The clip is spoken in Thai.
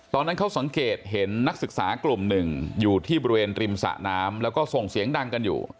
ตอนนั้นเขาสังเกตเห็นนักศึกษากลุ่มหนึ่งอยู่ที่บริเวณริมสะน้ำแล้วก็ส่งเสียงดังกันอยู่